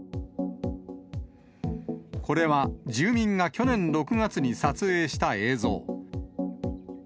これは、住民が去年６月に撮影した映像。